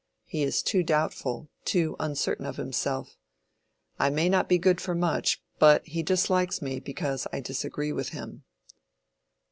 He is too doubtful—too uncertain of himself. I may not be good for much, but he dislikes me because I disagree with him."